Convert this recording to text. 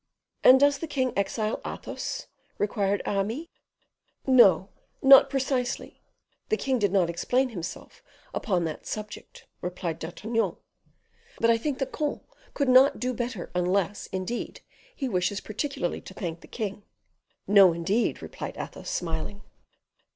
"And does the king exile Athos?" inquired Aramis. "No, not precisely; the king did not explain himself upon that subject," replied D'Artagnan; "but I think the comte could not well do better unless, indeed, he wishes particularly to thank the king " "No, indeed," replied Athos, smiling.